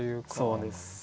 そうです。